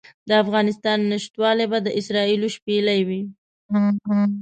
د افغانستان نشتوالی به د اسرافیل شپېلۍ وي.